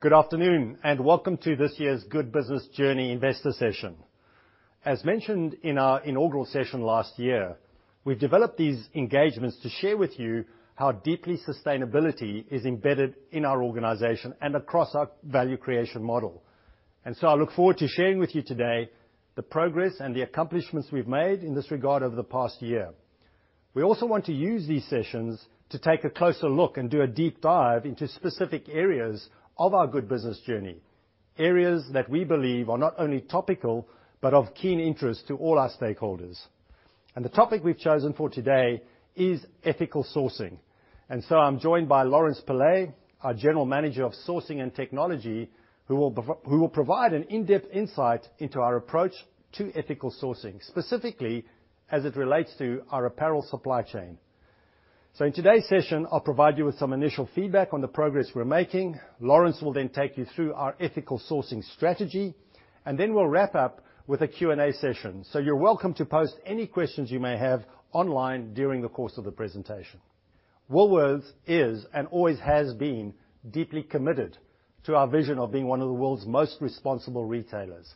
Good afternoon, and welcome to this year's Good Business Journey investor session. As mentioned in our inaugural session last year, we've developed these engagements to share with you how deeply sustainability is embedded in our organization and across our value creation model. I look forward to sharing with you today the progress and the accomplishments we've made in this regard over the past year. We also want to use these sessions to take a closer look and do a deep dive into specific areas of our Good Business Journey, areas that we believe are not only topical, but of keen interest to all our stakeholders. The topic we've chosen for today is ethical sourcing. I'm joined by Lawrence Pillay, our General Manager of Sourcing and Technology, who will provide an in-depth insight into our approach to ethical sourcing, specifically as it relates to our apparel supply chain. In today's session, I'll provide you with some initial feedback on the progress we're making. Lawrence will then take you through our ethical sourcing strategy, and then we'll wrap up with a Q&A session. You're welcome to post any questions you may have online during the course of the presentation. Woolworths is, and always has been, deeply committed to our vision of being one of the world's most responsible retailers.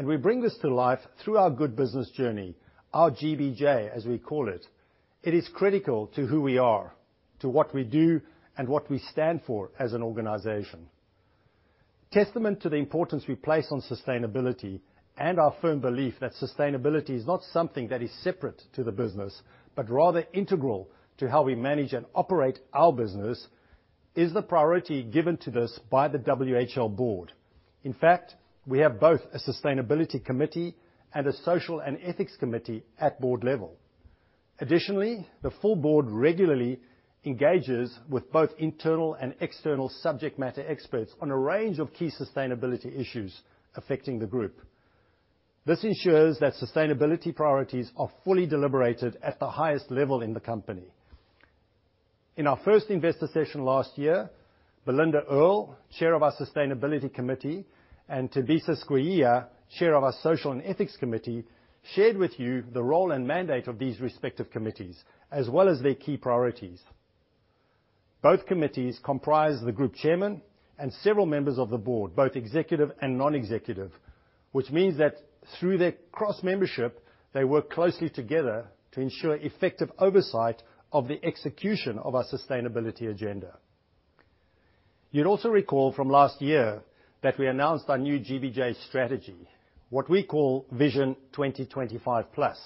We bring this to life through our Good Business Journey, our GBJ, as we call it. It is critical to who we are, to what we do, and what we stand for as an organization. Testament to the importance we place on sustainability, and our firm belief that sustainability is not something that is separate to the business, but rather integral to how we manage and operate our business, is the priority given to this by the WHL board. In fact, we have both a sustainability committee and a social and ethics committee at board level. Additionally, the full board regularly engages with both internal and external subject matter experts on a range of key sustainability issues affecting the group. This ensures that sustainability priorities are fully deliberated at the highest level in the company. In our first investor session last year, Belinda Earl, Chair of our Sustainability Committee, and Thembisa Skweyiya, Chair of our Social and Ethics Committee, shared with you the role and mandate of these respective committees, as well as their key priorities. Both committees comprise the group chairman and several members of the board, both executive and non-executive, which means that through their cross-membership, they work closely together to ensure effective oversight of the execution of our sustainability agenda. You'd also recall from last year that we announced our new GBJ strategy, what we call Vision 2025+,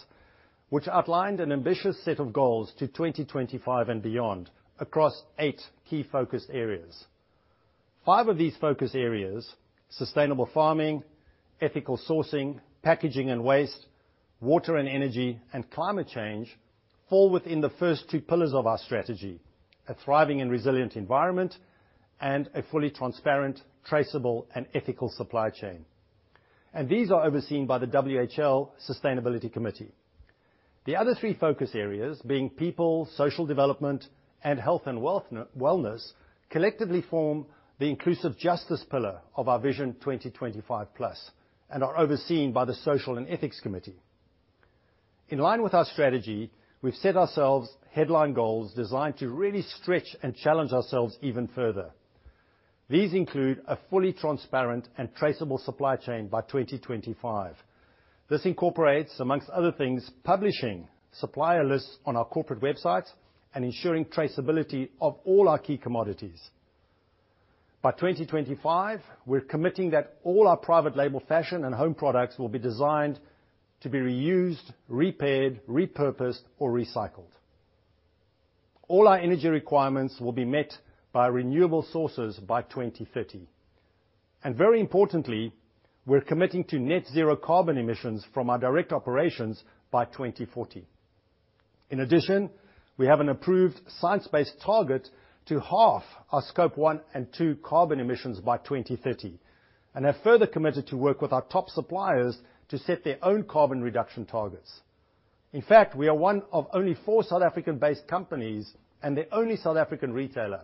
which outlined an ambitious set of goals to 2025 and beyond across eight key focus areas. Five of these focus areas, sustainable farming, ethical sourcing, packaging and waste, water and energy, and climate change, fall within the first two pillars of our strategy, a thriving and resilient environment and a fully transparent, traceable, and ethical supply chain. These are overseen by the WHL Sustainability Committee. The other three focus areas being people, social development, and health and wellness, collectively form the inclusive justice pillar of our Vision 2025+ and are overseen by the Social and Ethics Committee. In line with our strategy, we've set ourselves headline goals designed to really stretch and challenge ourselves even further. These include a fully transparent and traceable supply chain by 2025. This incorporates, among other things, publishing supplier lists on our corporate website and ensuring traceability of all our key commodities. By 2025, we're committing that all our private label fashion and home products will be designed to be reused, repaired, repurposed, or recycled. All our energy requirements will be met by renewable sources by 2030. Very importantly, we're committing to net zero carbon emissions from our direct operations by 2040. In addition, we have an approved Science-Based Target to half our Scope one and two carbon emissions by 2030, and have further committed to work with our top suppliers to set their own carbon reduction targets. In fact, we are one of only four South African-based companies, and the only South African retailer,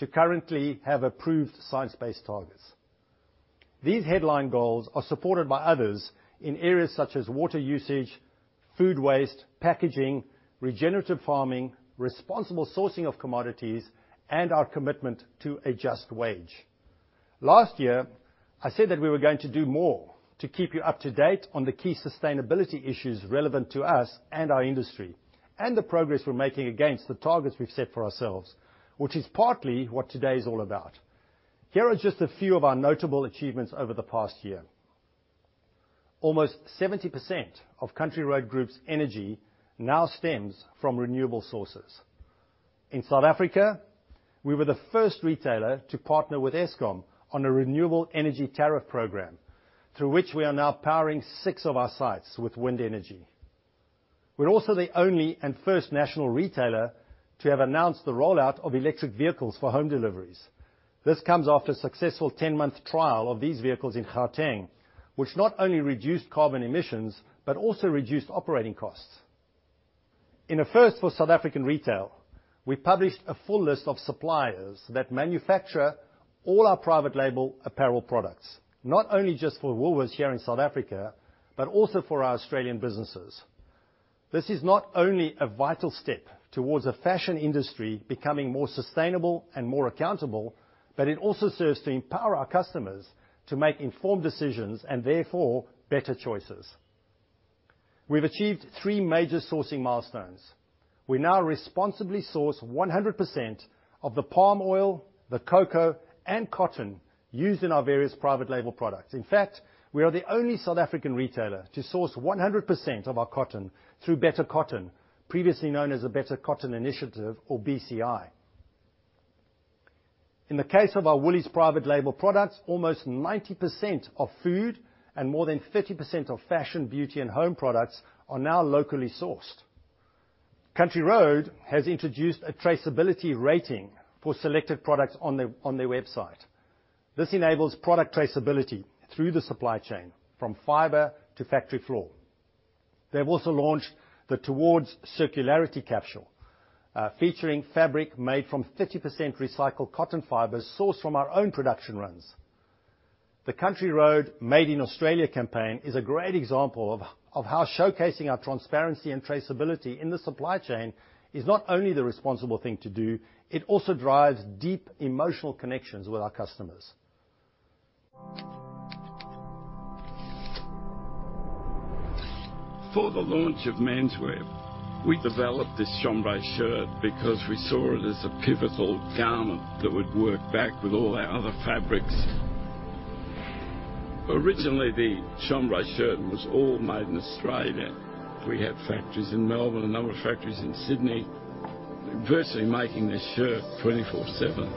to currently have approved Science-Based Targets. These headline goals are supported by others in areas such as water usage, food waste, packaging, regenerative farming, responsible sourcing of commodities, and our commitment to a just wage. Last year, I said that we were going to do more to keep you up to date on the key sustainability issues relevant to us and our industry, and the progress we're making against the targets we've set for ourselves, which is partly what today is all about. Here are just a few of our notable achievements over the past year. Almost 70% of Country Road Group's energy now stems from renewable sources. In South Africa, we were the first retailer to partner with Eskom on a renewable energy tariff program through which we are now powering six of our sites with wind energy. We're also the only and first national retailer to have announced the rollout of electric vehicles for home deliveries. This comes after a successful 10-month trial of these vehicles in Gauteng, which not only reduced carbon emissions, but also reduced operating costs. In a first for South African retail, we published a full list of suppliers that manufacture all our private label apparel products, not only just for Woolworths here in South Africa, but also for our Australian businesses. This is not only a vital step towards a fashion industry becoming more sustainable and more accountable, but it also serves to empower our customers to make informed decisions and therefore better choices. We've achieved three major sourcing milestones. We now responsibly source 100% of the palm oil, the cocoa, and cotton used in our various private label products. In fact, we are the only South African retailer to source 100% of our cotton through Better Cotton, previously known as the Better Cotton Initiative, or BCI. In the case of our Woolies private label products, almost 90% of food and more than 50% of fashion, beauty, and home products are now locally sourced. Country Road has introduced a traceability rating for selected products on their website. This enables product traceability through the supply chain from fiber to factory floor. They've also launched the Towards Circularity capsule, featuring fabric made from 50% recycled cotton fibers sourced from our own production runs. The Country Road Made in Australia campaign is a great example of how showcasing our transparency and traceability in the supply chain is not only the responsible thing to do, it also drives deep emotional connections with our customers. For the launch of menswear, we developed this chambray shirt because we saw it as a pivotal garment that would work back with all our other fabrics. Originally, the chambray shirt was all made in Australia. We had factories in Melbourne, a number of factories in Sydney, virtually making this shirt 24/7.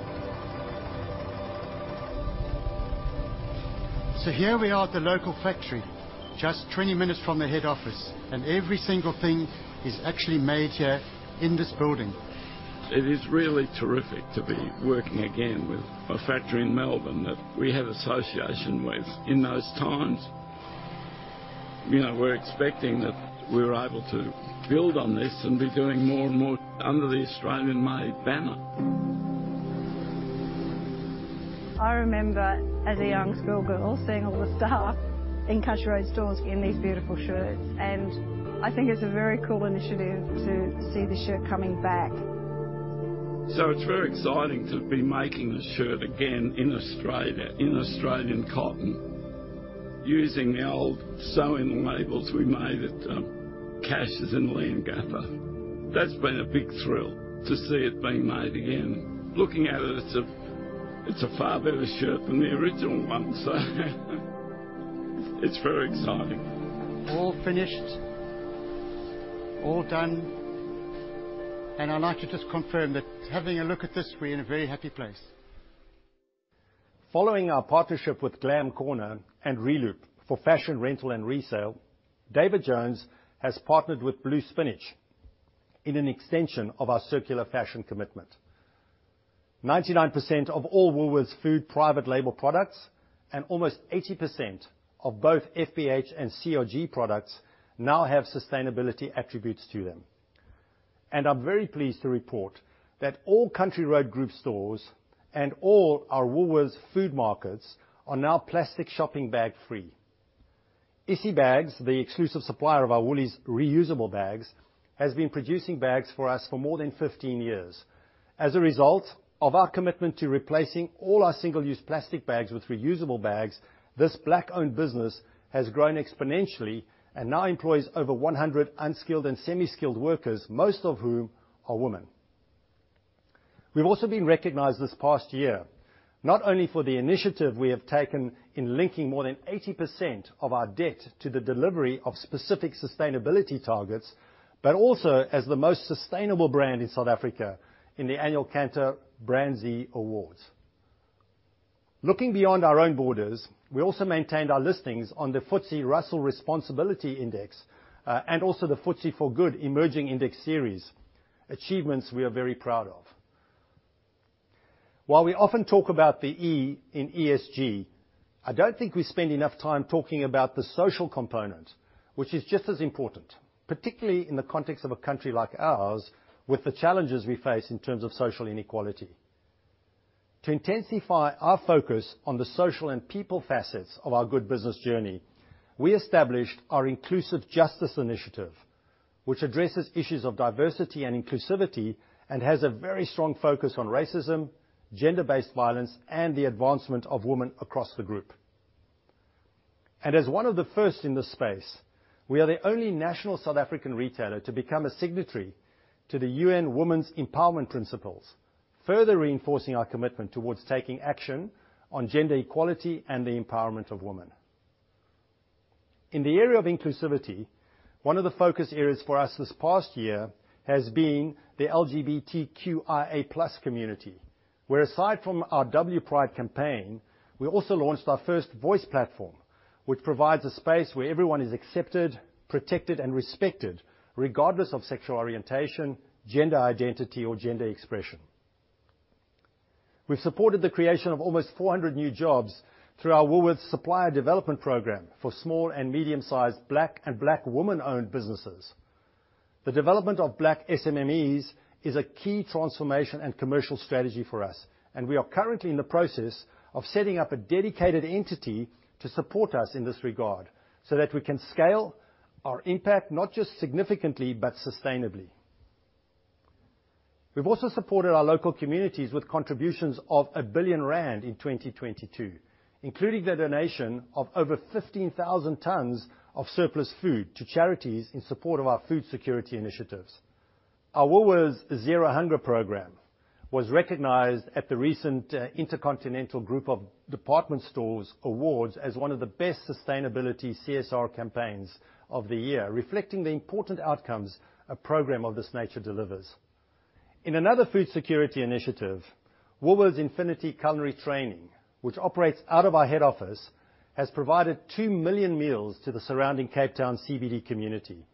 Here we are at the local factory, just 20 minutes from the head office, and every single thing is actually made here in this building. It is really terrific to be working again with a factory in Melbourne that we have association with in those times. You know, we're expecting that we're able to build on this and be doing more and more under the Australian-made banner. I remember as a young schoolgirl seeing all the staff in Country Road stores in these beautiful shirts, and I think it's a very cool initiative to see the shirt coming back. It's very exciting to be making the shirt again in Australia in Australian cotton. Using the old sewing labels we made at Cash's in Leongatha. That's been a big thrill to see it being made again. Looking at it's a far better shirt than the original ones. It's very exciting. All finished. All done. I'd like to just confirm that having a look at this, we're in a very happy place. Following our partnership with GlamCorner and Re-Loop for fashion rental and resale, David Jones has partnered with Blue Spinach in an extension of our circular fashion commitment. 99% of all Woolworths Food private label products and almost 80% of both FBH and COG products now have sustainability attributes to them. I'm very pleased to report that all Country Road Group stores and all our Woolworths Food markets are now plastic shopping bag-free. Ezi Bags, the exclusive supplier of our Woolies reusable bags, has been producing bags for us for more than 15 years. As a result of our commitment to replacing all our single-use plastic bags with reusable bags, this Black-owned business has grown exponentially and now employs over 100 unskilled and semi-skilled workers, most of whom are women. We've also been recognized this past year, not only for the initiative we have taken in linking more than 80% of our debt to the delivery of specific sustainability targets, but also as the most sustainable brand in South Africa in the annual Kantar BrandZ. Looking beyond our own borders, we also maintained our listings on the FTSE Russell Responsibility Index, and also the FTSE4Good Emerging Index Series, achievements we are very proud of. While we often talk about the E in ESG, I don't think we spend enough time talking about the social component, which is just as important, particularly in the context of a country like ours with the challenges we face in terms of social inequality. To intensify our focus on the social and people facets of our Good Business Journey, we established our Inclusive Justice Initiative, which addresses issues of diversity and inclusivity and has a very strong focus on racism, gender-based violence, and the advancement of women across the group. As one of the first in this space, we are the only national South African retailer to become a signatory to the UN Women's Empowerment Principles, further reinforcing our commitment towards taking action on gender equality and the empowerment of women. In the area of inclusivity, one of the focus areas for us this past year has been the LGBTQIA+ community, where aside from our W.Pride campaign, we also launched our first voice platform, which provides a space where everyone is accepted, protected, and respected regardless of sexual orientation, gender identity, or gender expression. We've supported the creation of almost 400 new jobs through our Woolworths Supplier Development Program for small and medium-sized Black- and Black woman-owned businesses. The development of Black SMMEs is a key transformation and commercial strategy for us, and we are currently in the process of setting up a dedicated entity to support us in this regard, so that we can scale our impact, not just significantly, but sustainably. We've also supported our local communities with contributions of 1 billion rand in 2022, including the donation of over 15,000 tons of surplus food to charities in support of our food security initiatives. Our Woolworths Zero Hunger program was recognized at the recent Intercontinental Group of Department Stores awards as one of the best sustainability CSR campaigns of the year, reflecting the important outcomes a program of this nature delivers. In another food security initiative, Infinity Culinary Training, which operates out of our head office, has provided 2 million meals to the surrounding Cape Town CBD community.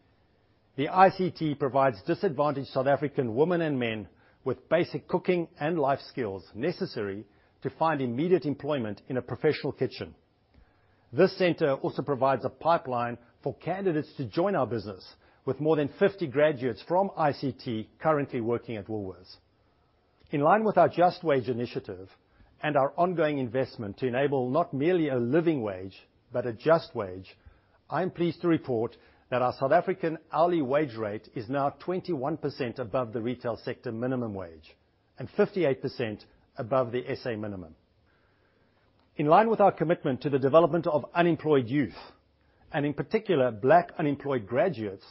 The ICT provides disadvantaged South African women and men with basic cooking and life skills necessary to find immediate employment in a professional kitchen. This center also provides a pipeline for candidates to join our business with more than 50 graduates from ICT currently working at Woolworths. In line with our Just Wage initiative and our ongoing investment to enable not merely a living wage, but a just wage, I'm pleased to report that our South African hourly wage rate is now 21% above the retail sector minimum wage and 58% above the SA minimum. In line with our commitment to the development of unemployed youth, and in particular, black unemployed graduates,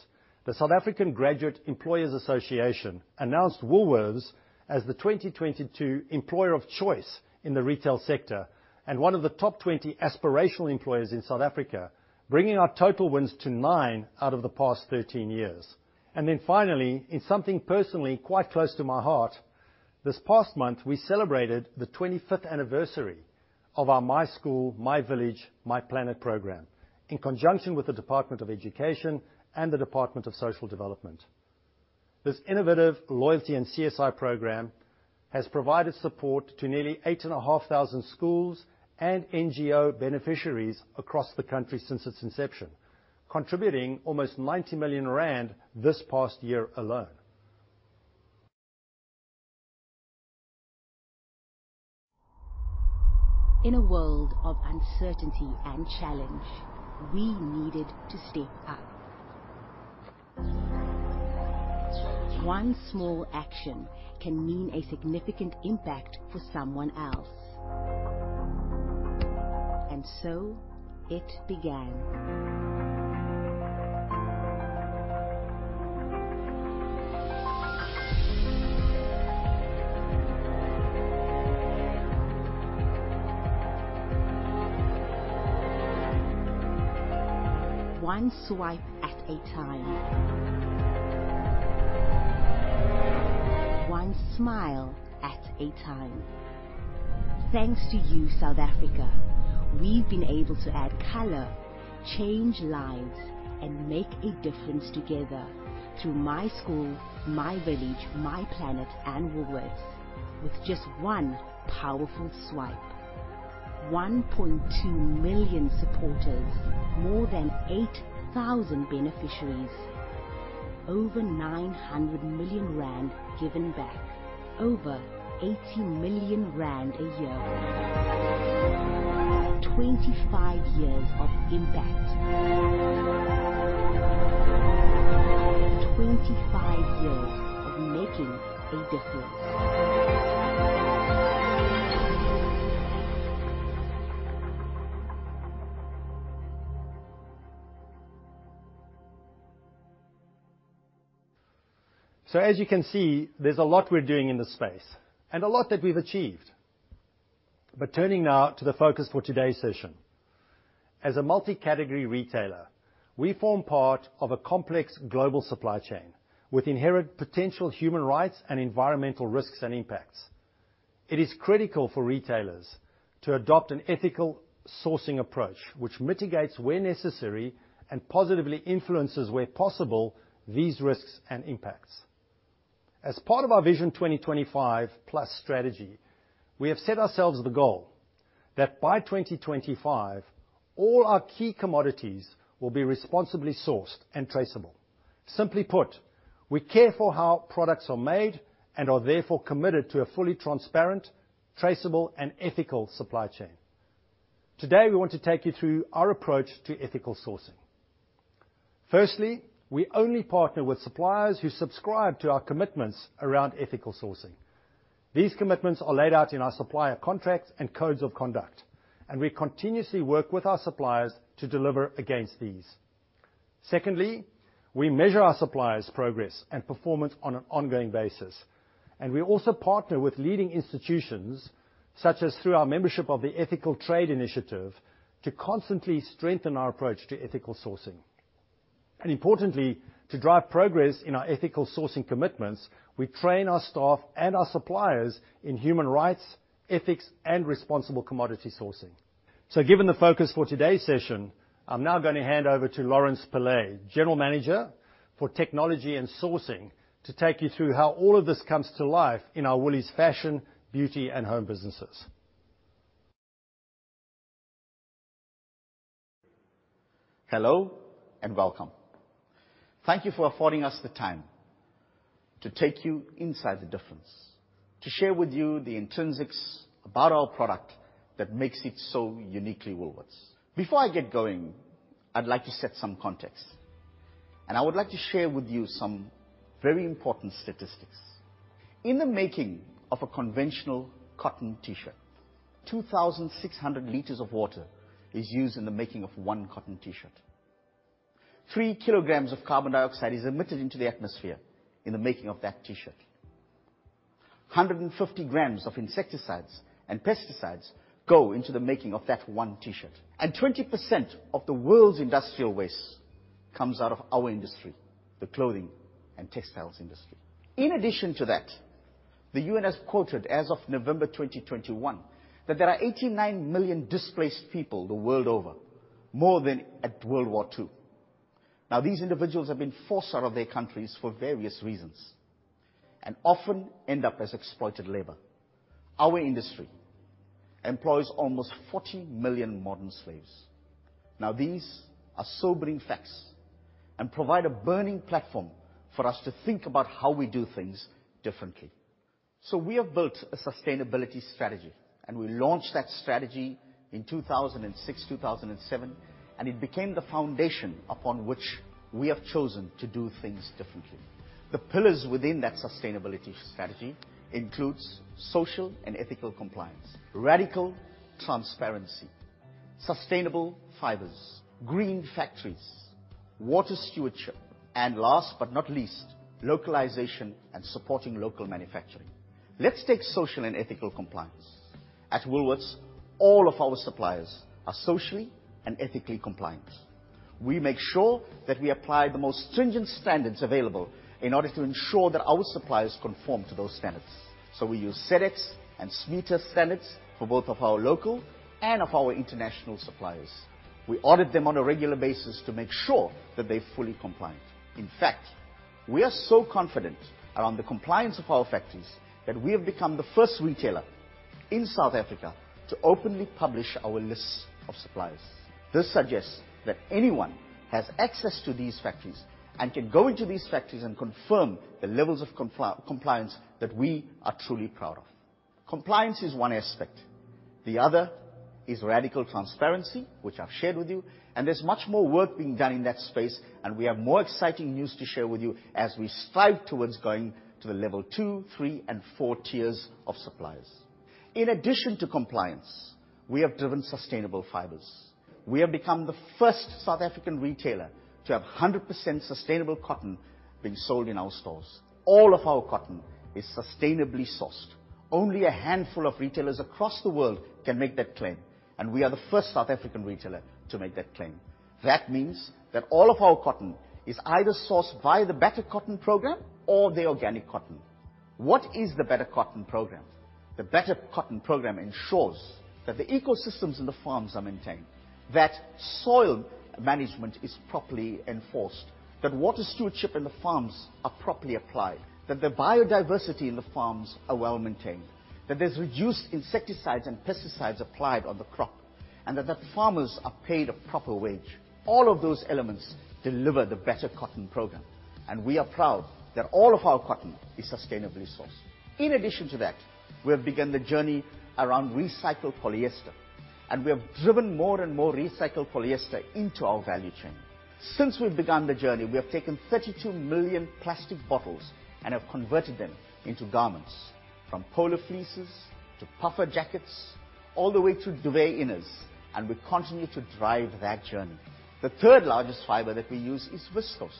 the South African Graduate Employers Association announced Woolworths as the 2022 employer of choice in the retail sector and one of the top 20 aspirational employers in South Africa, bringing our total wins to nine out of the past 13 years. Finally, in something personally quite close to my heart, this past month, we celebrated the 25th anniversary of our My School, My Village, My Planet program in conjunction with the Department of Basic Education and the Department of Social Development. This innovative loyalty and CSI program has provided support to nearly 8,500 schools and NGO beneficiaries across the country since its inception, contributing almost 90 million rand this past year alone. In a world of uncertainty and challenge, we needed to step up. One small action can mean a significant impact for someone else. It began. One swipe at a time. One smile at a time. Thanks to you, South Africa, we've been able to add color, change lives, and make a difference together through My School, My Village, My Planet, and Woolworths with just one powerful swipe. 1.2 million supporters, more than 8,000 beneficiaries, over 900 million rand given back, over 80 million rand a year. 25 years of impact. 25 years of making a difference. As you can see, there's a lot we're doing in this space, and a lot that we've achieved. Turning now to the focus for today's session. As a multi-category retailer, we form part of a complex global supply chain with inherent potential human rights and environmental risks and impacts. It is critical for retailers to adopt an ethical sourcing approach which mitigates where necessary and positively influences where possible these risks and impacts. As part of our Vision 2025+ strategy, we have set ourselves the goal that by 2025, all our key commodities will be responsibly sourced and traceable. Simply put, we care for how products are made and are therefore committed to a fully transparent, traceable, and ethical supply chain. Today, we want to take you through our approach to ethical sourcing. Firstly, we only partner with suppliers who subscribe to our commitments around ethical sourcing. These commitments are laid out in our supplier contracts and codes of conduct, and we continuously work with our suppliers to deliver against these. Secondly, we measure our suppliers' progress and performance on an ongoing basis, and we also partner with leading institutions, such as through our membership of the Ethical Trading Initiative, to constantly strengthen our approach to ethical sourcing. Importantly, to drive progress in our ethical sourcing commitments, we train our staff and our suppliers in human rights, ethics, and responsible commodity sourcing. Given the focus for today's session, I'm now gonna hand over to Lawrence Pillay, General Manager for Technology and Sourcing, to take you through how all of this comes to life in our Woolies Fashion, Beauty, and Home businesses. Hello and welcome. Thank you for affording us the time to take you inside the difference. To share with you the intrinsics about our product that makes it so uniquely Woolworths. Before I get going, I'd like to set some context, and I would like to share with you some very important statistics. In the making of a conventional cotton T-shirt, 2,600 liters of water is used in the making of one cotton T-shirt. three kilograms of carbon dioxide is emitted into the atmosphere in the making of that T-shirt. 150 grams of insecticides and pesticides go into the making of that one T-shirt, and 20% of the world's industrial waste comes out of our industry, the clothing and textiles industry. In addition to that, the UN has quoted as of November 2021, that there are 89 million displaced people the world over, more than at World War II. Now, these individuals have been forced out of their countries for various reasons and often end up as exploited labor. Our industry employs almost 40 million modern slaves. Now, these are sobering facts and provide a burning platform for us to think about how we do things differently. We have built a sustainability strategy, and we launched that strategy in 2006, 2007, and it became the foundation upon which we have chosen to do things differently. The pillars within that sustainability strategy includes social and ethical compliance, radical transparency, sustainable fibers, green factories, water stewardship, and last but not least, localization and supporting local manufacturing. Let's take social and ethical compliance. At Woolworths, all of our suppliers are socially and ethically compliant. We make sure that we apply the most stringent standards available in order to ensure that our suppliers conform to those standards. We use Sedex and SMETA standards for both of our local and of our international suppliers. We audit them on a regular basis to make sure that they're fully compliant. In fact, we are so confident around the compliance of our factories that we have become the first retailer in South Africa to openly publish our list of suppliers. This suggests that anyone has access to these factories and can go into these factories and confirm the levels of compliance that we are truly proud of. Compliance is one aspect. The other is radical transparency, which I've shared with you, and there's much more work being done in that space, and we have more exciting news to share with you as we strive towards going to the level two, three, and four tiers of suppliers. In addition to compliance, we have driven sustainable fibers. We have become the first South African retailer to have 100% sustainable cotton being sold in our stores. All of our cotton is sustainably sourced. Only a handful of retailers across the world can make that claim, and we are the first South African retailer to make that claim. That means that all of our cotton is either sourced via the Better Cotton Initiative or the organic cotton. What is the Better Cotton Initiative? The Better Cotton program ensures that the ecosystems in the farms are maintained, that soil management is properly enforced, that water stewardship in the farms are properly applied, that the biodiversity in the farms are well-maintained, that there's reduced insecticides and pesticides applied on the crop, and that the farmers are paid a proper wage. All of those elements deliver the Better Cotton program, and we are proud that all of our cotton is sustainably sourced. In addition to that, we have begun the journey around recycled polyester, and we have driven more and more recycled polyester into our value chain. Since we've begun the journey, we have taken 32 million plastic bottles and have converted them into garments, from polar fleeces to puffer jackets, all the way to duvet inners, and we continue to drive that journey. The third-largest fiber that we use is viscose,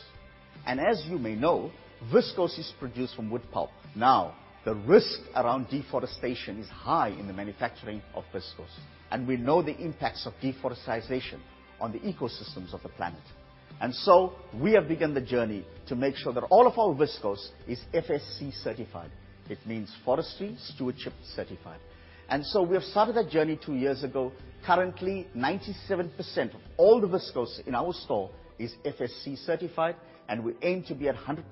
and as you may know, viscose is produced from wood pulp. Now, the risk around deforestation is high in the manufacturing of viscose, and we know the impacts of deforestation on the ecosystems of the planet. We have begun the journey to make sure that all of our viscose is FSC certified. It means Forest Stewardship Council certified. We have started that journey two years ago. Currently, 97% of all the viscose in our store is FSC certified, and we aim to be at 100%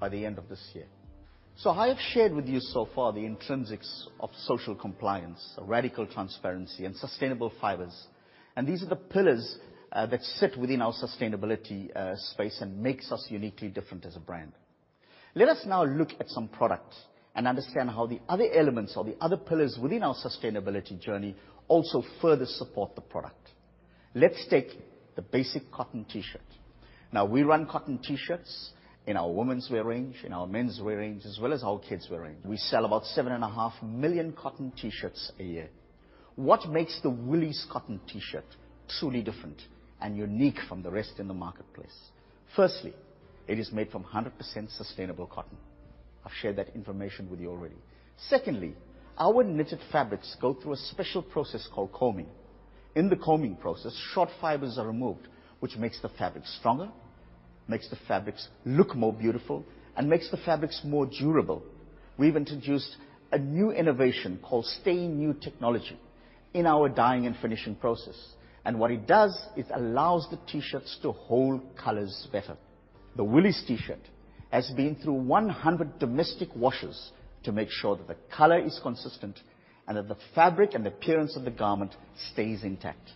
by the end of this year. I have shared with you so far the intrinsics of social compliance, radical transparency, and sustainable fibers, and these are the pillars that sit within our sustainability space and makes us uniquely different as a brand. Let us now look at some products and understand how the other elements or the other pillars within our sustainability journey also further support the product. Let's take the basic cotton T-shirt. Now, we run cotton T-shirts in our womenswear range, in our menswear range, as well as our kidswear range. We sell about 7.5 million cotton T-shirts a year. What makes the Woolies cotton T-shirt truly different and unique from the rest in the marketplace? Firstly, it is made from 100% sustainable cotton. I've shared that information with you already. Secondly, our knitted fabrics go through a special process called combing. In the combing process, short fibers are removed, which makes the fabrics stronger, makes the fabrics look more beautiful, and makes the fabrics more durable. We've introduced a new innovation called StayNew technology in our dyeing and finishing process, and what it does, it allows the T-shirts to hold colors better. The Woolies T-shirt has been through 100 domestic washes to make sure that the color is consistent and that the fabric and appearance of the garment stays intact.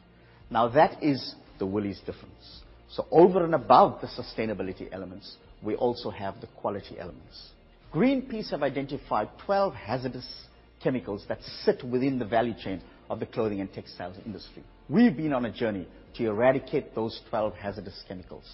Now that is the Woolies difference. Over and above the sustainability elements, we also have the quality elements. Greenpeace have identified 12 hazardous chemicals that sit within the value chain of the clothing and textiles industry. We've been on a journey to eradicate those 12 hazardous chemicals.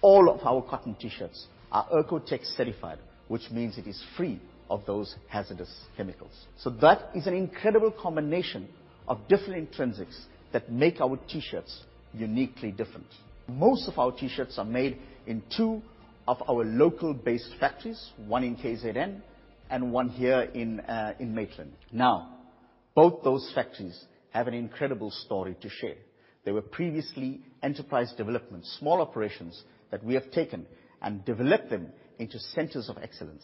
All of our cotton T-shirts are OEKO-TEX certified, which means it is free of those hazardous chemicals. That is an incredible combination of different intrinsics that make our T-shirts uniquely different. Most of our T-shirts are made in two of our local-based factories, one in KZN and one here in Maitland. Now, both those factories have an incredible story to share. They were previously enterprise development, small operations that we have taken and developed them into centers of excellence.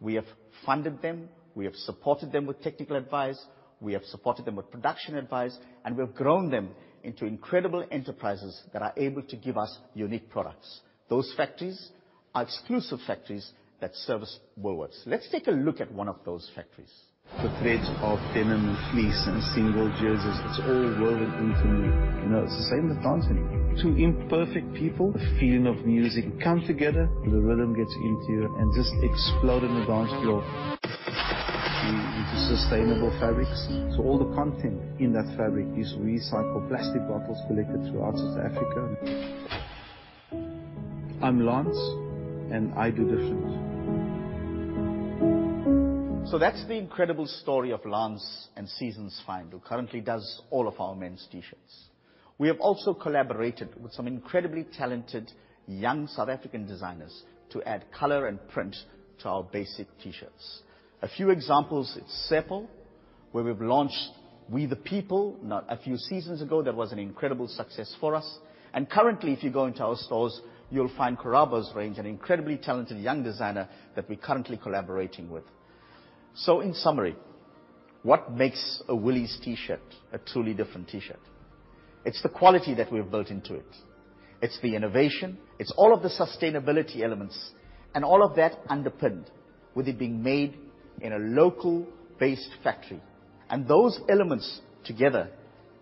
We have funded them, we have supported them with technical advice, we have supported them with production advice, and we've grown them into incredible enterprises that are able to give us unique products. Those factories are exclusive factories that service Woolworths. Let's take a look at one of those factories. The thread of denim, fleece, and single jerseys, it's all woven into me. You know, it's the same with dancing. Two imperfect people, the feeling of music come together. The rhythm gets into you and just explode on the dance floor. We use sustainable fabrics. All the content in that fabric is recycled plastic bottles collected throughout South Africa. I'm Lance, and I do different. That's the incredible story of Lance and Season's Find, who currently does all of our men's T-shirts. We have also collaborated with some incredibly talented young South African designers to add color and print to our basic T-shirts. A few examples, Athi-Patra Ruga, where we've launched We The People. Now, a few seasons ago, that was an incredible success for us. Currently, if you go into our stores, you'll find Karabo Poppy's range, an incredibly talented young designer that we're currently collaborating with. In summary, what makes a Woolies T-shirt a truly different T-shirt? It's the quality that we have built into it. It's the innovation, it's all of the sustainability elements, and all of that underpinned with it being made in a local-based factory. Those elements together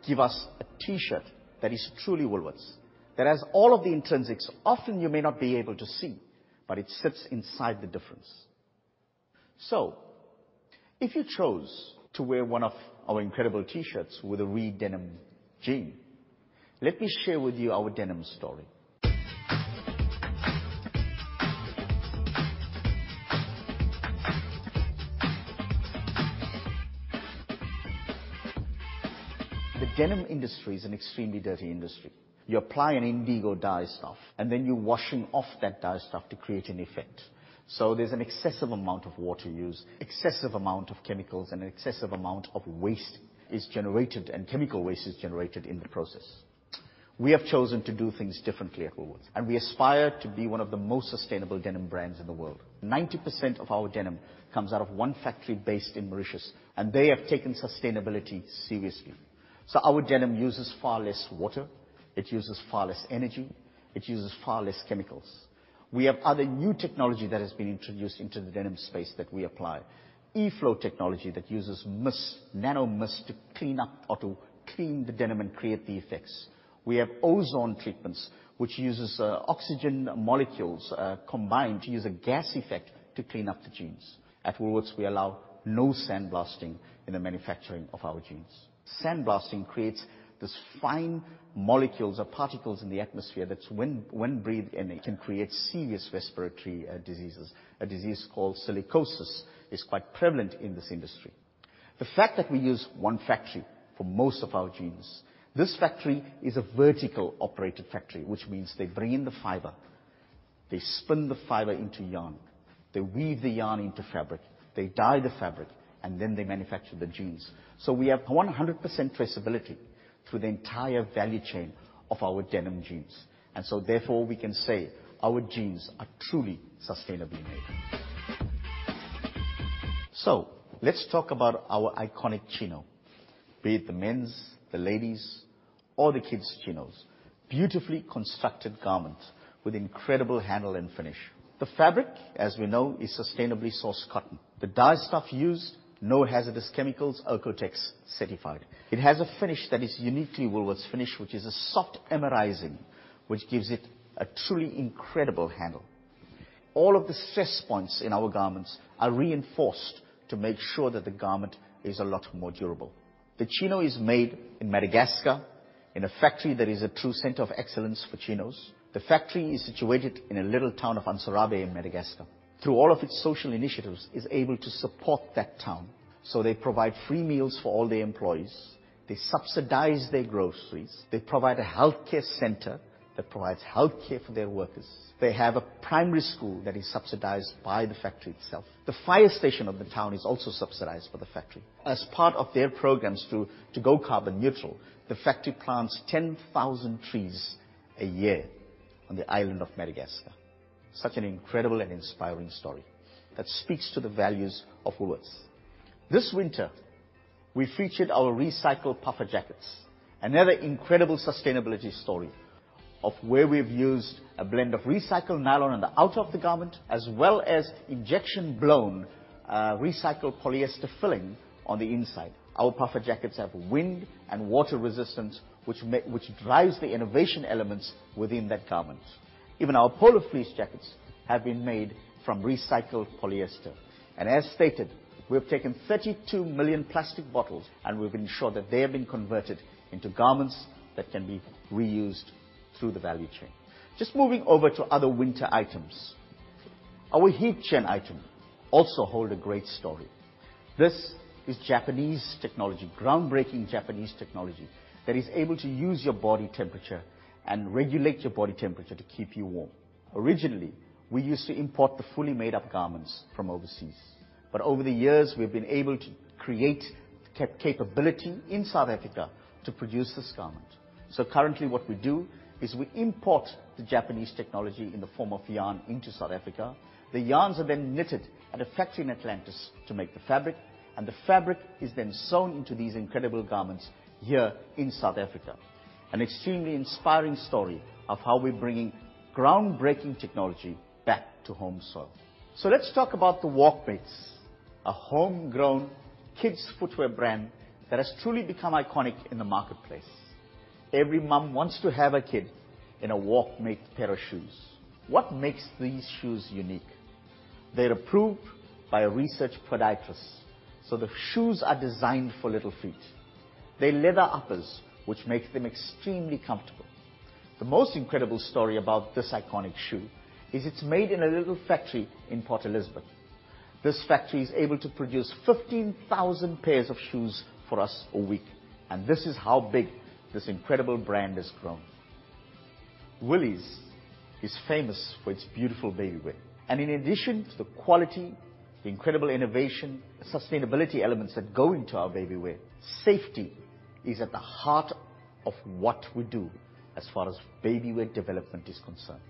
give us a T-shirt that is truly Woolworths, that has all of the intrinsics. Often you may not be able to see, but it sits inside the difference. If you chose to wear one of our incredible T-shirts with a RE: Denim jean, let me share with you our denim story. The denim industry is an extremely dirty industry. You apply an indigo dye stuff, and then you're washing off that dye stuff to create an effect. There's an excessive amount of water used, excessive amount of chemicals, and an excessive amount of waste is generated, and chemical waste is generated in the process. We have chosen to do things differently at Woolworths, and we aspire to be one of the most sustainable denim brands in the world. 90% of our denim comes out of one factory based in Mauritius, and they have taken sustainability seriously. Our denim uses far less water, it uses far less energy, it uses far less chemicals. We have other new technology that has been introduced into the denim space that we apply. E-flow technology that uses mist, nano mist to clean up or to clean the denim and create the effects. We have ozone treatments, which uses oxygen molecules combined to use a gas effect to clean up the jeans. At Woolworths, we allow no sandblasting in the manufacturing of our jeans. Sandblasting creates these fine molecules or particles in the atmosphere that when breathed in, it can create serious respiratory diseases. A disease called silicosis is quite prevalent in this industry. The fact that we use one factory for most of our jeans, this factory is a vertically operated factory, which means they bring in the fiber, they spin the fiber into yarn, they weave the yarn into fabric, they dye the fabric, and then they manufacture the jeans. We have 100% traceability through the entire value chain of our denim jeans. We can say our jeans are truly sustainably made. Let's talk about our iconic chino. Be it the men's, the ladies' or the kids' chinos. Beautifully constructed garments with incredible handle and finish. The fabric, as we know, is sustainably sourced cotton. The dyestuff used, no hazardous chemicals, OEKO-TEX certified. It has a finish that is uniquely Woolworths finish, which is a soft emerizing, which gives it a truly incredible handle. All of the stress points in our garments are reinforced to make sure that the garment is a lot more durable. The chino is made in Madagascar in a factory that is a true center of excellence for chinos. The factory is situated in a little town of Antsirabe in Madagascar. Through all of its social initiatives, is able to support that town. They provide free meals for all their employees. They subsidize their groceries. They provide a healthcare center that provides healthcare for their workers. They have a primary school that is subsidized by the factory itself. The fire station of the town is also subsidized by the factory. As part of their programs through to go carbon neutral, the factory plants 10,000 trees a year on the island of Madagascar. Such an incredible and inspiring story that speaks to the values of Woolworths. This winter, we featured our recycled puffer jackets, another incredible sustainability story of where we've used a blend of recycled nylon on the outer of the garment as well as injection-blown recycled polyester filling on the inside. Our puffer jackets have wind and water resistance which drives the innovation elements within that garment. Even our polar fleece jackets have been made from recycled polyester. As stated, we have taken 32 million plastic bottles, and we've ensured that they have been converted into garments that can be reused through the value chain. Just moving over to other winter items. Our Heat Generation item also hold a great story. This is Japanese technology, groundbreaking Japanese technology, that is able to use your body temperature and regulate your body temperature to keep you warm. Originally, we used to import the fully made-up garments from overseas, but over the years, we've been able to create capability in South Africa to produce this garment. Currently what we do is we import the Japanese technology in the form of yarn into South Africa. The yarns are then knitted at a factory in Atlantis to make the fabric, and the fabric is then sewn into these incredible garments here in South Africa. An extremely inspiring story of how we're bringing groundbreaking technology back to home soil. Let's talk about the Walkmates, a homegrown kids' footwear brand that has truly become iconic in the marketplace. Every mom wants to have a kid in a Walkmates pair of shoes. What makes these shoes unique? They're approved by a research podiatrist, so the shoes are designed for little feet. They're leather uppers, which makes them extremely comfortable. The most incredible story about this iconic shoe is it's made in a little factory in Port Elizabeth. This factory is able to produce 15,000 pairs of shoes for us a week, and this is how big this incredible brand has grown. Woolies is famous for its beautiful baby wear. In addition to the quality, the incredible innovation, the sustainability elements that go into our baby wear, safety is at the heart of what we do as far as baby wear development is concerned.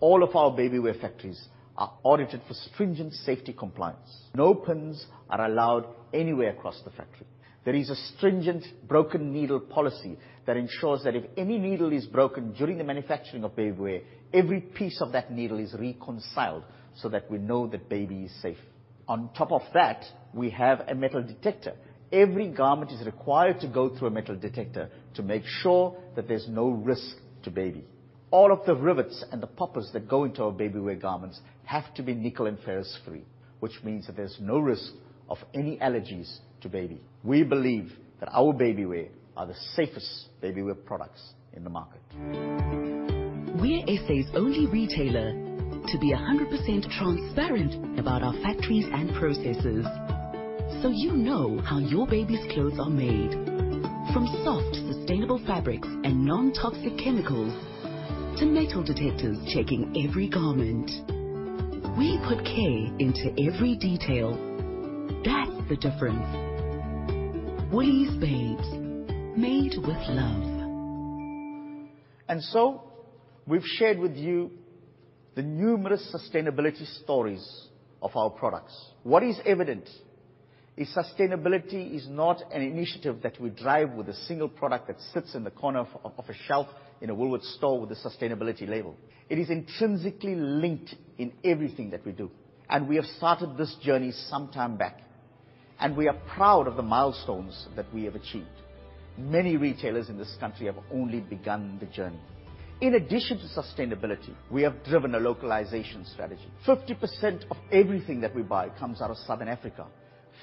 All of our baby wear factories are audited for stringent safety compliance. No pins are allowed anywhere across the factory. There is a stringent broken needle policy that ensures that if any needle is broken during the manufacturing of baby wear, every piece of that needle is reconciled so that we know the baby is safe. On top of that, we have a metal detector. Every garment is required to go through a metal detector to make sure that there's no risk to baby. All of the rivets and the poppers that go into our baby wear garments have to be nickel and ferrous free, which means that there's no risk of any allergies to baby. We believe that our baby wear are the safest baby wear products in the market. We're SA's only retailer to be 100% transparent about our factories and processes, so you know how your baby's clothes are made, from soft, sustainable fabrics and nontoxic chemicals to metal detectors checking every garment. We put care into every detail. That's the difference. Woolies Babes, made with love. We've shared with you the numerous sustainability stories of our products. What is evident is sustainability is not an initiative that we drive with a single product that sits in the corner of a shelf in a Woolworths store with a sustainability label. It is intrinsically linked in everything that we do. We have started this journey some time back, and we are proud of the milestones that we have achieved. Many retailers in this country have only begun the journey. In addition to sustainability, we have driven a localization strategy. 50% of everything that we buy comes out of Southern Africa.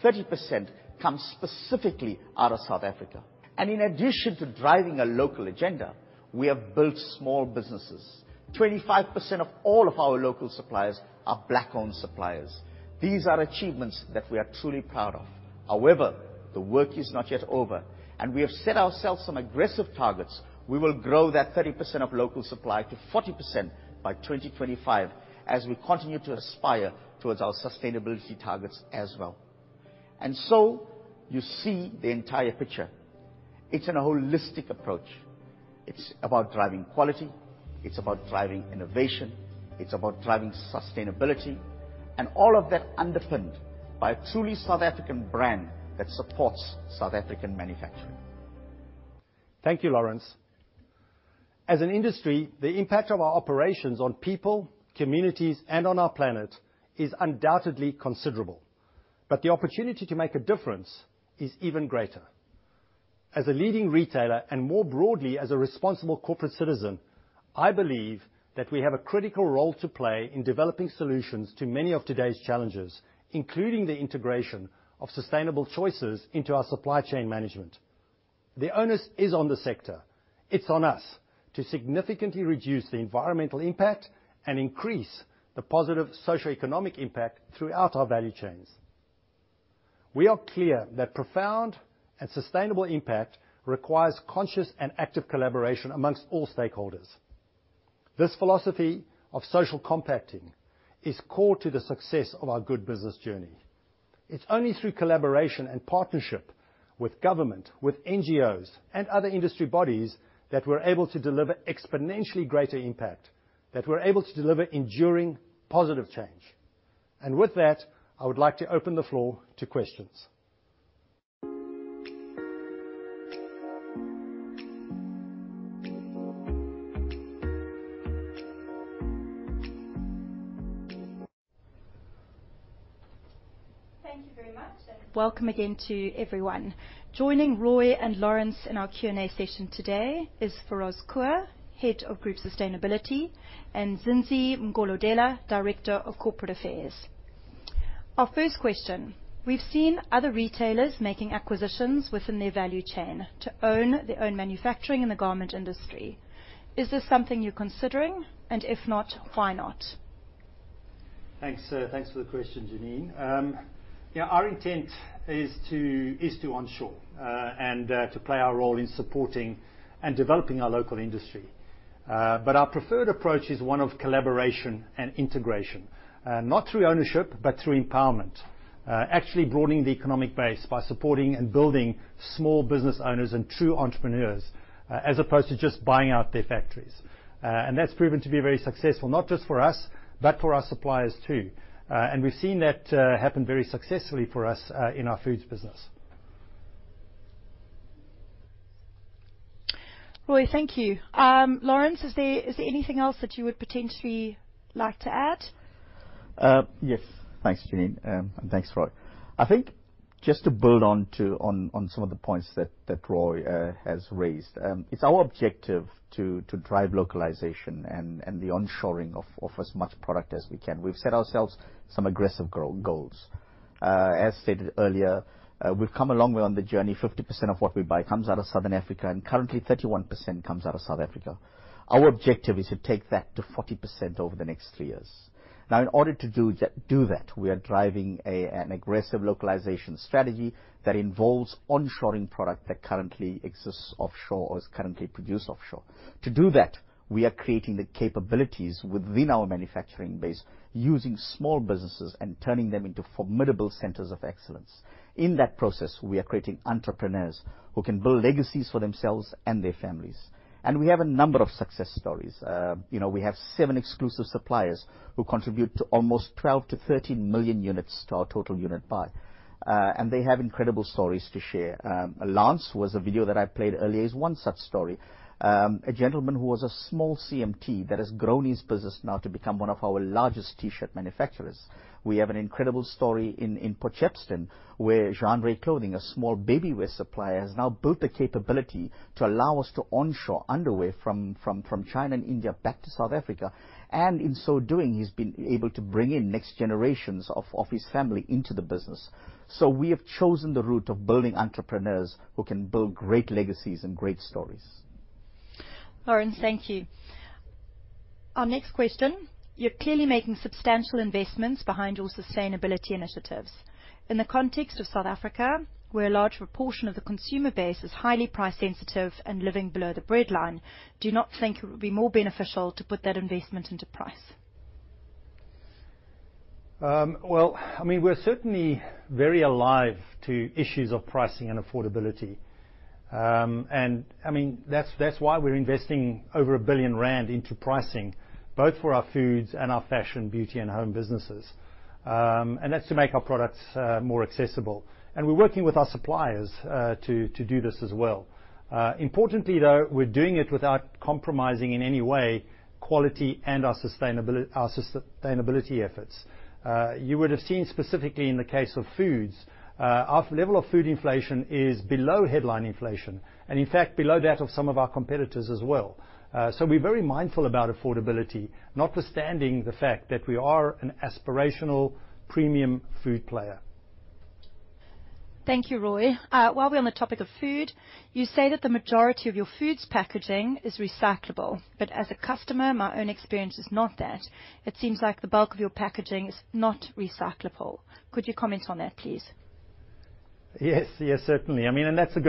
30% comes specifically out of South Africa. In addition to driving a local agenda, we have built small businesses. 25% of all of our local suppliers are Black-owned suppliers. These are achievements that we are truly proud of. However, the work is not yet over, and we have set ourselves some aggressive targets. We will grow that 30% of local supply to 40% by 2025 as we continue to aspire towards our sustainability targets as well. You see the entire picture. It's in a holistic approach. It's about driving quality, it's about driving innovation, it's about driving sustainability, and all of that underpinned by a truly South African brand that supports South African manufacturing. Thank you, Lawrence. As an industry, the impact of our operations on people, communities, and on our planet is undoubtedly considerable. The opportunity to make a difference is even greater. As a leading retailer, and more broadly, as a responsible corporate citizen, I believe that we have a critical role to play in developing solutions to many of today's challenges, including the integration of sustainable choices into our supply chain management. The onus is on the sector. It's on us to significantly reduce the environmental impact and increase the positive socioeconomic impact throughout our value chains. We are clear that profound and sustainable impact requires conscious and active collaboration among all stakeholders. This philosophy of social compacting is core to the success of our Good Business Journey. It's only through collaboration and partnership with government, with NGOs and other industry bodies that we're able to deliver exponentially greater impact, that we're able to deliver enduring positive change. With that, I would like to open the floor to questions. Thank you very much, and welcome again to everyone. Joining Roy Bagattini and Lawrence in our Q&A session today is Feroz Koor, Group Head of Sustainability, and Zinzi Mgolodelo, Director of Corporate Affairs. Our first question: We've seen other retailers making acquisitions within their value chain to own their own manufacturing in the garment industry. Is this something you're considering, and if not, why not? Thanks for the question, Janine Estd. Yeah, our intent is to onshore and to play our role in supporting and developing our local industry. Our preferred approach is one of collaboration and integration, not through ownership, but through empowerment, actually broadening the economic base by supporting and building small business owners and true entrepreneurs, as opposed to just buying out their factories. That's proven to be very successful, not just for us, but for our suppliers too. We've seen that happen very successfully for us in our foods business. Roy Bagattini, thank you. Lawrence, is there anything else that you would potentially like to add? Yes. Thanks, Janine Estdale, and thanks, Roy Bagattini. I think just to build on on some of the points that Roy Bagattini has raised. It's our objective to drive localization and the onshoring of as much product as we can. We've set ourselves some aggressive goals. As stated earlier, we've come a long way on the journey. 50% of what we buy comes out of Southern Africa, and currently 31% comes out of South Africa. Our objective is to take that to 40% over the next three years. Now, in order to do that, we are driving an aggressive localization strategy that involves onshoring product that currently exists offshore or is currently produced offshore. To do that, we are creating the capabilities within our manufacturing base using small businesses and turning them into formidable centers of excellence. In that process, we are creating entrepreneurs who can build legacies for themselves and their families. We have a number of success stories. You know, we have seven exclusive suppliers who contribute to almost 12-13 million units to our total unit buy. They have incredible stories to share. Lance, whose video that I played earlier, is one such story. A gentleman who was a small CMT that has grown his business now to become one of our largest T-shirt manufacturers. We have an incredible story in Port Shepstone, where Jean-Marc Tostee, a small babywear supplier, has now built the capability to allow us to onshore underwear from China and India back to South Africa, and in so doing, he's been able to bring in next generations of his family into the business. We have chosen the route of building entrepreneurs who can build great legacies and great stories. Lawrence, thank you. Our next question: you're clearly making substantial investments behind your sustainability initiatives. In the context of South Africa, where a large proportion of the consumer base is highly price sensitive and living below the breadline, do you not think it would be more beneficial to put that investment into price? Well, I mean, we're certainly very alive to issues of pricing and affordability. I mean, that's why we're investing over 1 billion rand into pricing, both for our foods and our fashion, beauty, and home businesses. That's to make our products more accessible, and we're working with our suppliers to do this as well. Importantly though, we're doing it without compromising in any way quality and our sustainability efforts. You would have seen specifically in the case of foods, our level of food inflation is below headline inflation and in fact below that of some of our competitors as well. We're very mindful about affordability, notwithstanding the fact that we are an aspirational premium food player. Thank you, Roy Bagattini. While we're on the topic of food, you say that the majority of your food's packaging is recyclable, but as a customer, my own experience is not that. It seems like the bulk of your packaging is not recyclable. Could you comment on that, please? Yes. Yes, certainly. I mean, that's a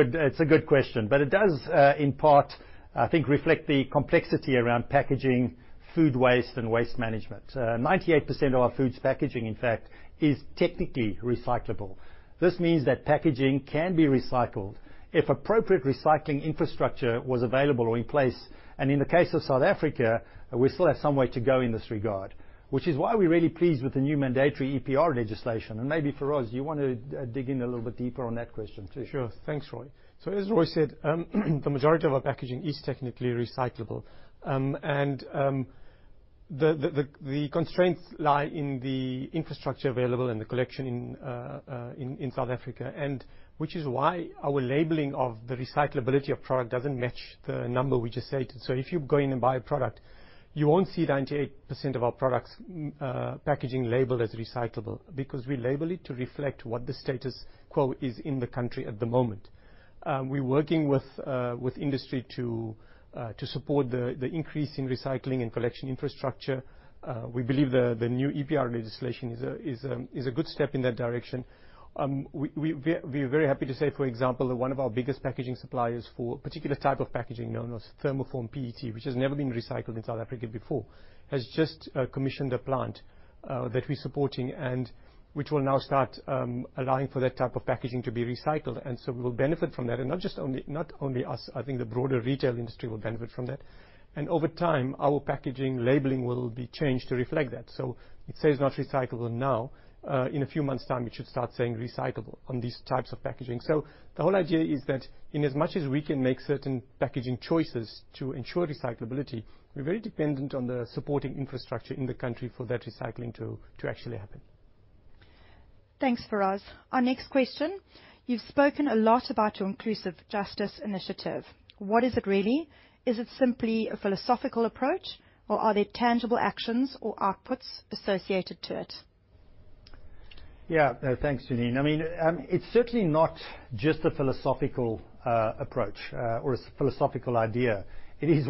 good question, but it does, in part, I think, reflect the complexity around packaging, food waste, and waste management. 98% of our food packaging, in fact, is technically recyclable. This means that packaging can be recycled if appropriate recycling infrastructure was available or in place. In the case of South Africa, we still have some way to go in this regard, which is why we're really pleased with the new mandatory EPR legislation. Maybe, Feroz, you want to dig in a little bit deeper on that question please. Sure. Thanks, Roy Bagattini. As Roy Bagattini said, the majority of our packaging is technically recyclable. The constraints lie in the infrastructure available and the collection in South Africa, and which is why our labeling of the recyclability of product doesn't match the number we just stated. If you go in and buy a product, you won't see 98% of our products, packaging labeled as recyclable because we label it to reflect what the status quo is in the country at the moment. We're working with industry to support the increase in recycling and collection infrastructure. We believe the new EPR legislation is a good step in that direction. We're very happy to say, for example, that one of our biggest packaging suppliers for a particular type of packaging known as thermoformed PET, which has never been recycled in South Africa before, has just commissioned a plant that we're supporting and which will now start allowing for that type of packaging to be recycled. We'll benefit from that. Not only us, I think the broader retail industry will benefit from that. Over time, our packaging labeling will be changed to reflect that. It says not recyclable now, in a few months' time, it should start saying recyclable on these types of packaging. The whole idea is that in as much as we can make certain packaging choices to ensure recyclability, we're very dependent on the supporting infrastructure in the country for that recycling to actually happen. Thanks, Feroz. Our next question, you've spoken a lot about your Inclusive Justice Initiative. What is it really? Is it simply a philosophical approach, or are there tangible actions or outputs associated to it? Yeah. Thanks, Janine Es-Seddik. I mean, it's certainly not just a philosophical approach or a philosophical idea. It is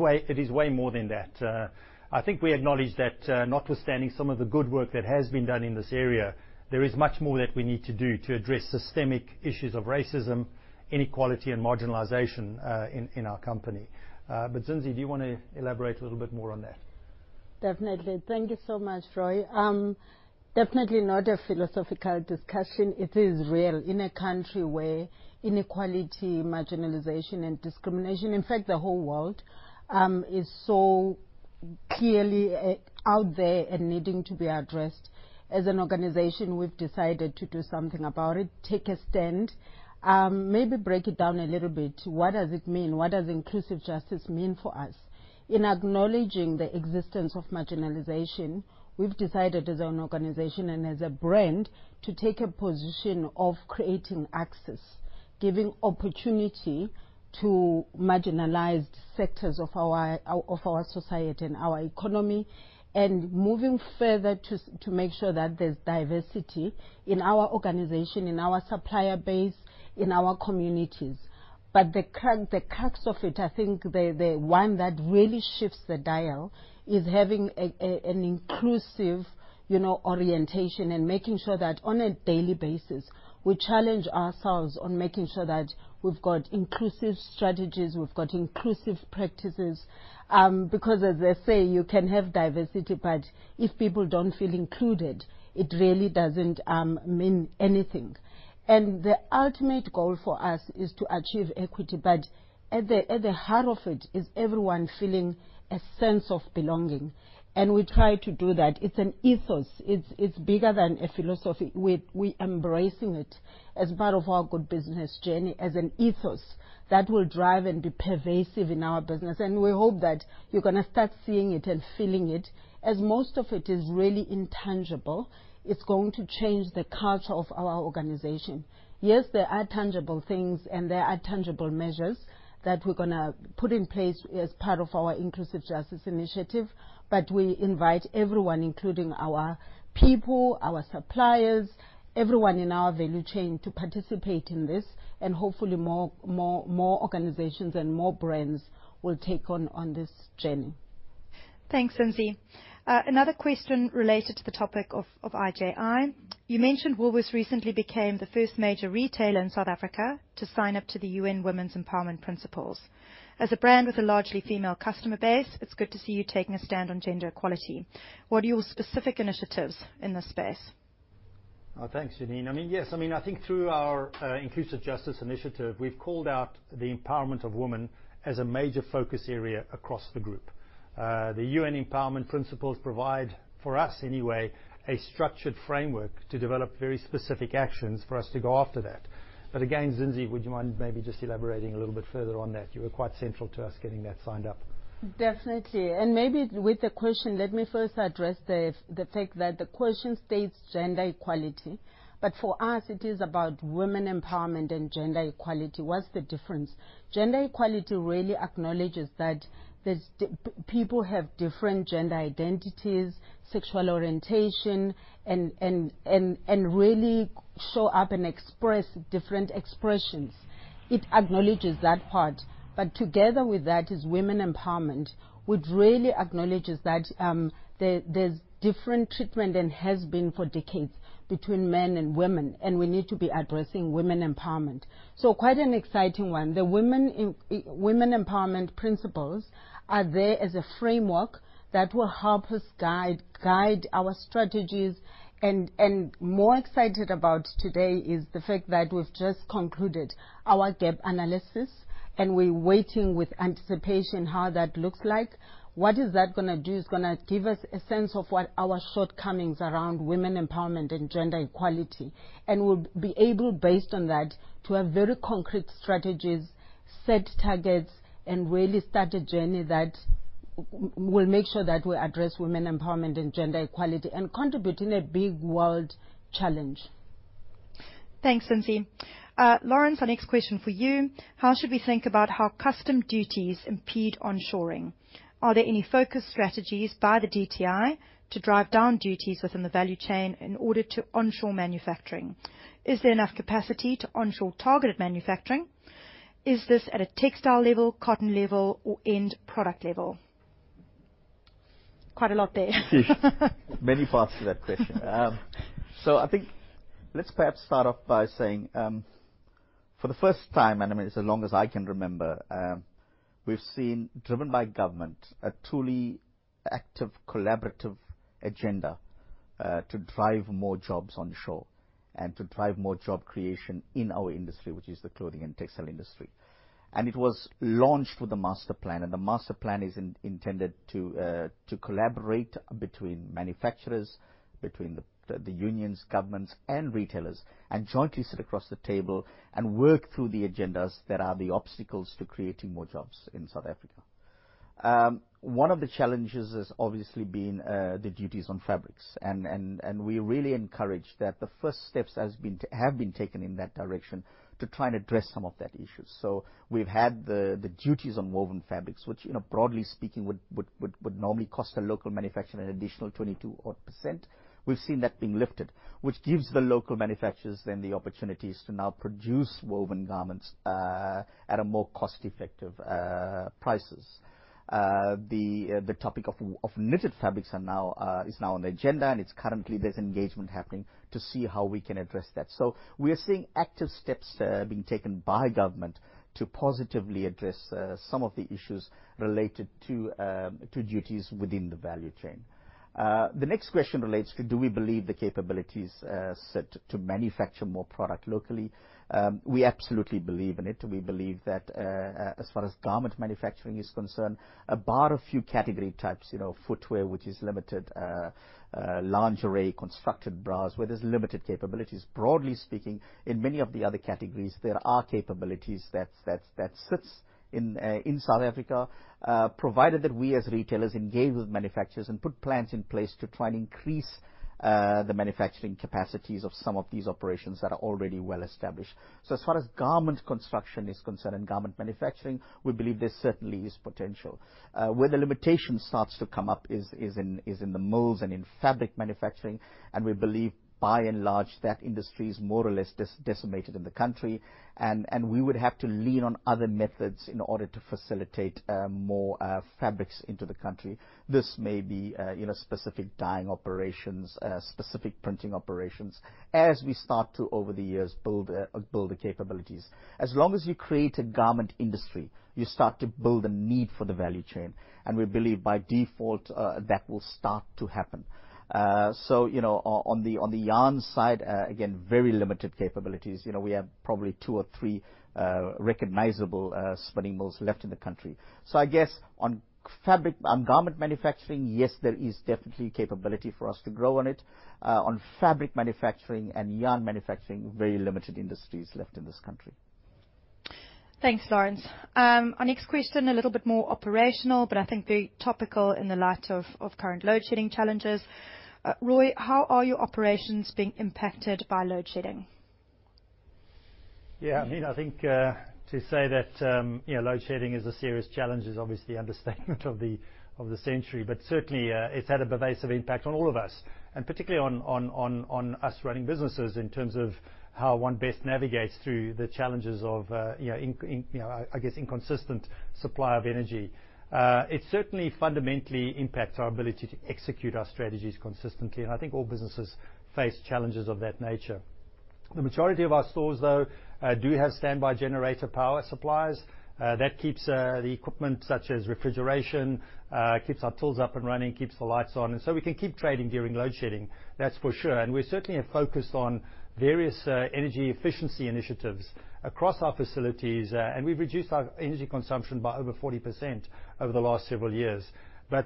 way more than that. I think we acknowledge that, notwithstanding some of the good work that has been done in this area, there is much more that we need to do to address systemic issues of racism, inequality and marginalization in our company. Zinzile, do you wanna elaborate a little bit more on that? Definitely. Thank you so much, Roy Bagattini. Definitely not a philosophical discussion. It is real. In a country where inequality, marginalization and discrimination, in fact, the whole world, is so clearly out there and needing to be addressed, as an organization, we've decided to do something about it, take a stand. Maybe break it down a little bit. What does it mean? What does inclusive justice mean for us? In acknowledging the existence of marginalization, we've decided as an organization and as a brand to take a position of creating access, giving opportunity to marginalized sectors of our society and our economy, and moving further to make sure that there's diversity in our organization, in our supplier base, in our communities. The crux of it, I think the one that really shifts the dial is having an inclusive, you know, orientation, and making sure that on a daily basis, we challenge ourselves on making sure that we've got inclusive strategies, we've got inclusive practices. Because as they say, you can have diversity, but if people don't feel included, it really doesn't mean anything. The ultimate goal for us is to achieve equity, but at the heart of it is everyone feeling a sense of belonging, and we try to do that. It's an ethos. It's bigger than a philosophy. We're embracing it as part of our Good Business Journey, as an ethos that will drive and be pervasive in our business. We hope that you're gonna start seeing it and feeling it, as most of it is really intangible. It's going to change the culture of our organization. Yes, there are tangible things and there are tangible measures that we're gonna put in place as part of our Inclusive Justice Initiative, but we invite everyone, including our people, our suppliers, everyone in our value chain, to participate in this, and hopefully more organizations and more brands will take on this journey. Thanks, Zinzile. Another question related to the topic of IJI. You mentioned Woolworths recently became the first major retailer in South Africa to sign up to the UN Women's Empowerment Principles. As a brand with a largely female customer base, it's good to see you taking a stand on gender equality. What are your specific initiatives in this space? Thanks, Janine Estdale. I mean, yes, I mean, I think through our Inclusive Justice Initiative, we've called out the empowerment of women as a major focus area across the group. The Women's Empowerment Principles provide, for us anyway, a structured framework to develop very specific actions for us to go after that. Again, Zinzile, would you mind maybe just elaborating a little bit further on that? You were quite central to us getting that signed up. Definitely. Maybe with the question, let me first address the fact that the question states gender equality, but for us it is about women empowerment and gender equality. What's the difference? Gender equality really acknowledges that there's people have different gender identities, sexual orientation, and really show up and express different expressions. It acknowledges that part. Together with that is women empowerment, which really acknowledges that there's different treatment, and has been for decades, between men and women, and we need to be addressing women empowerment. Quite an exciting one. The Women's Empowerment Principles are there as a framework that will help us guide our strategies. More excited about today is the fact that we've just concluded our gap analysis, and we're waiting with anticipation how that looks like. What is that gonna do? It's gonna give us a sense of what our shortcomings around women empowerment and gender equality, and we'll be able, based on that, to have very concrete strategies, set targets, and really start a journey that will make sure that we address women empowerment and gender equality and contribute in a big world challenge. Thanks, Zinzile. Lawrence, our next question for you. How should we think about how customs duties impede onshoring? Are there any focus strategies by the DTI to drive down duties within the value chain in order to onshore manufacturing? Is there enough capacity to onshore targeted manufacturing? Is this at a textile level, cotton level, or end product level? Quite a lot there. Many parts to that question. So I think let's perhaps start off by saying, for the first time, and I mean as long as I can remember, we've seen, driven by government, a truly active collaborative agenda, to drive more jobs onshore and to drive more job creation in our industry, which is the clothing and textile industry. It was launched with a master plan, and the master plan is intended to collaborate between manufacturers, between the unions, governments and retailers, and jointly sit across the table and work through the agendas that are the obstacles to creating more jobs in South Africa. One of the challenges has obviously been the duties on fabrics. We really encourage that the first steps have been taken in that direction to try and address some of that issue. We've had the duties on woven fabrics, which, you know, broadly speaking, would normally cost a local manufacturer an additional 22-odd%. We've seen that being lifted, which gives the local manufacturers then the opportunities to now produce woven garments at a more cost-effective prices. The topic of knitted fabrics is now on the agenda, and it's currently there's engagement happening to see how we can address that. We are seeing active steps being taken by government to positively address some of the issues related to duties within the value chain. The next question relates to do we believe the capabilities set to manufacture more product locally. We absolutely believe in it. We believe that, as far as garment manufacturing is concerned, apart from a few category types, you know, footwear, which is limited, lingerie, constructed bras, where there's limited capabilities, broadly speaking, in many of the other categories, there are capabilities that sits in South Africa, provided that we as retailers engage with manufacturers and put plans in place to try and increase, the manufacturing capacities of some of these operations that are already well established. As far as garment construction is concerned and garment manufacturing, we believe there certainly is potential. Where the limitation starts to come up is in the molds and in fabric manufacturing, and we believe by and large, that industry is more or less decimated in the country. We would have to lean on other methods in order to facilitate more fabrics into the country. This may be, you know, specific dyeing operations, specific printing operations as we start to, over the years, build the capabilities. As long as you create a garment industry, you start to build a need for the value chain, and we believe by default, that will start to happen. You know, on the yarn side, again, very limited capabilities. You know, we have probably two or three recognizable spinning mills left in the country. I guess on garment manufacturing, yes, there is definitely capability for us to grow on it. On fabric manufacturing and yarn manufacturing, very limited industries left in this country. Thanks, Lawrence. Our next question, a little bit more operational, but I think very topical in the light of current load-shedding challenges. Roy Bagattini, how are your operations being impacted by load-shedding? Yeah, I mean, I think to say that you know, load-shedding is a serious challenge is obviously understatement of the century. Certainly, it's had a pervasive impact on all of us, and particularly on us running businesses in terms of how one best navigates through the challenges of you know, inconsistent supply of energy. It certainly fundamentally impacts our ability to execute our strategies consistently, and I think all businesses face challenges of that nature. The majority of our stores, though, do have standby generator power supplies. That keeps the equipment such as refrigeration, keeps our tools up and running, keeps the lights on, and so we can keep trading during load-shedding. That's for sure. We certainly have focused on various energy efficiency initiatives across our facilities, and we've reduced our energy consumption by over 40% over the last several years.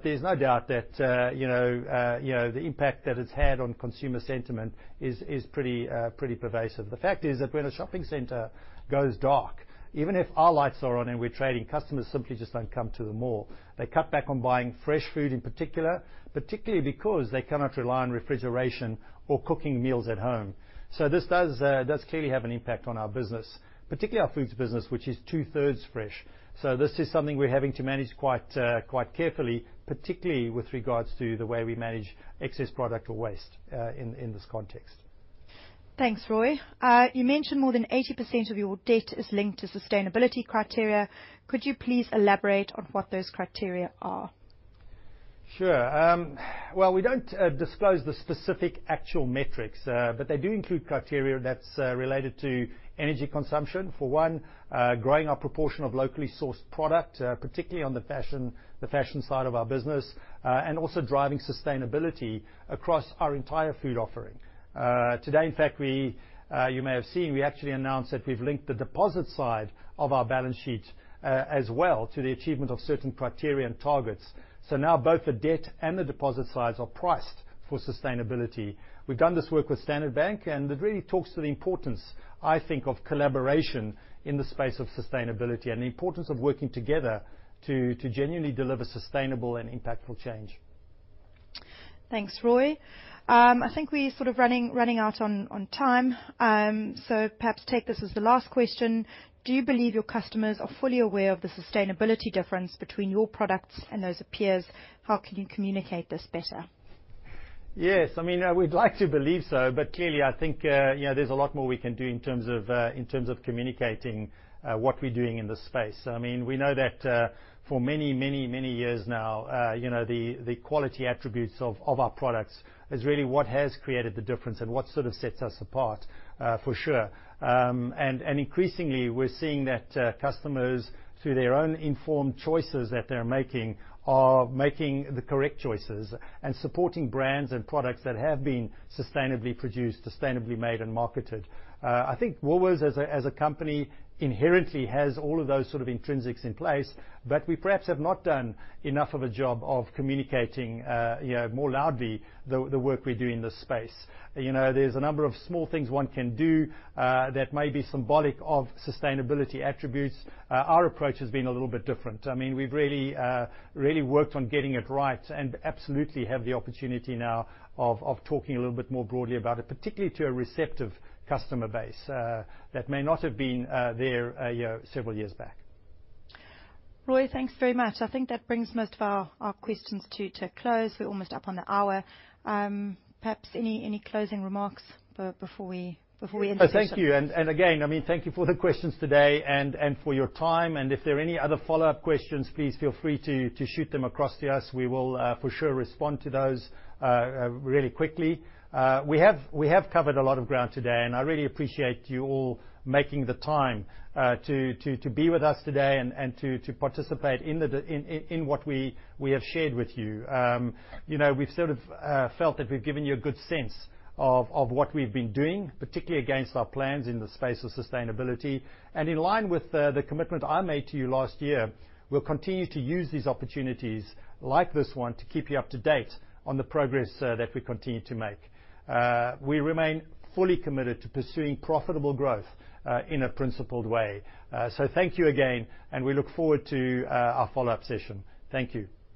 There's no doubt that you know the impact that it's had on consumer sentiment is pretty pervasive. The fact is that when a shopping center goes dark, even if our lights are on and we're trading, customers simply just don't come to the mall. They cut back on buying fresh food in particular, particularly because they cannot rely on refrigeration or cooking meals at home. This does clearly have an impact on our business, particularly our foods business, which is two-thirds fresh. This is something we're having to manage quite carefully, particularly with regards to the way we manage excess product or waste, in this context. Thanks, Roy Bagattini. You mentioned more than 80% of your debt is linked to sustainability criteria. Could you please elaborate on what those criteria are? Sure. Well, we don't disclose the specific actual metrics, but they do include criteria that's related to energy consumption. For one, growing our proportion of locally sourced product, particularly on the fashion side of our business, and also driving sustainability across our entire food offering. Today, in fact, you may have seen, we actually announced that we've linked the deposit side of our balance sheet, as well to the achievement of certain criteria and targets. Now both the debt and the deposit sides are priced for sustainability. We've done this work with Standard Bank, and it really talks to the importance, I think, of collaboration in the space of sustainability and the importance of working together to genuinely deliver sustainable and impactful change. Thanks, Roy Bagattini. I think we're sort of running out of time. Perhaps take this as the last question. Do you believe your customers are fully aware of the sustainability difference between your products and those of peers? How can you communicate this better? Yes. I mean, we'd like to believe so, but clearly I think, you know, there's a lot more we can do in terms of communicating what we're doing in this space. I mean, we know that for many years now, you know, the quality attributes of our products is really what has created the difference and what sort of sets us apart, for sure. Increasingly we're seeing that customers, through their own informed choices that they're making, are making the correct choices and supporting brands and products that have been sustainably produced, sustainably made and marketed. I think Woolworths, as a company, inherently has all of those sort of intrinsics in place, but we perhaps have not done enough of a job of communicating, you know, more loudly the work we do in this space. You know, there's a number of small things one can do that may be symbolic of sustainability attributes. Our approach has been a little bit different. I mean, we've really worked on getting it right and absolutely have the opportunity now of talking a little bit more broadly about it, particularly to a receptive customer base that may not have been there several years back. Roy Bagattini, thanks very much. I think that brings most of our questions to a close. We're almost up on the hour. Perhaps any closing remarks before we end the session? Thank you. Again, I mean, thank you for the questions today and for your time. If there are any other follow-up questions, please feel free to shoot them across to us. We will for sure respond to those really quickly. We have covered a lot of ground today, and I really appreciate you all making the time to be with us today and to participate in what we have shared with you. You know, we've sort of felt that we've given you a good sense of what we've been doing, particularly against our plans in the space of sustainability. In line with the commitment I made to you last year, we'll continue to use these opportunities like this one to keep you up to date on the progress that we continue to make. We remain fully committed to pursuing profitable growth in a principled way. Thank you again, and we look forward to our follow-up session. Thank you.